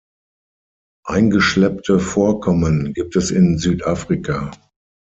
Eingeschleppte Vorkommen gibt es in Südafrika.